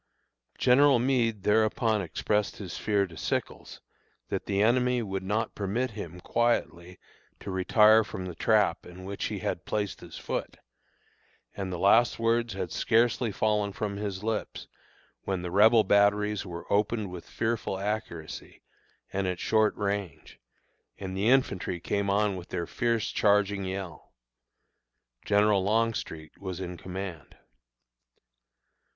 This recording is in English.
General Meade thereupon expressed his fear to Sickles that the enemy would not permit him quietly to retire from the trap in which he had placed his foot; and the last words had scarcely fallen from his lips, when the Rebel batteries were opened with fearful accuracy and at short range, and the infantry came on with their fierce charging yell. General Longstreet was in command.